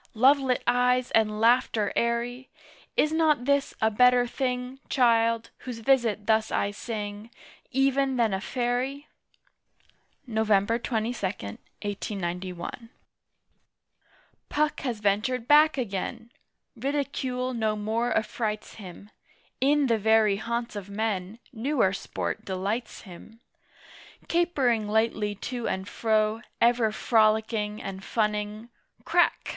Lovelit eyes and laughter airy! Is not this a better thing, Child, whose visit thus I sing, Even than a Fairy? Nov. 22, 1891. Puck has ventured back agen: Ridicule no more affrights him: In the very haunts of men Newer sport delights him. Capering lightly to and fro, Ever frolicking and funning "Crack!"